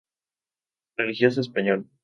Religioso español.